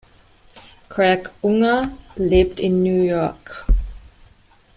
Craig Unger lebt in New York.